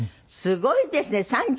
すごいですね。